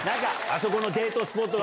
あそこのデート